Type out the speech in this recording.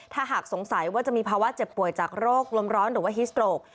ถ้าหากสงสัยว่าจะมีภาวะเจ็บป่วยจากโรคลมร้อนหรือว่าฮิสโตรก